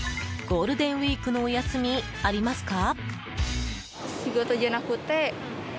ゴールデンウィークのお休みありますか？